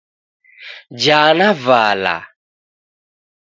Jaa na vala.